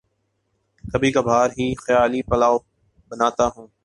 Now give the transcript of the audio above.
کبھی کبھار ہی خیالی پلاو بناتا ہوں